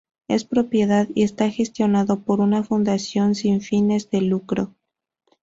Es propiedad y está gestionado por una fundación sin fines de lucro.